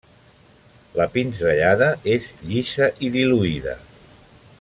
La pinzellada és llisa i diluïda.